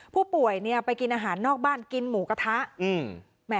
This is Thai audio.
ผู้ป่วยเนี่ยไปกินอาหารนอกบ้านกินหมูกระทะ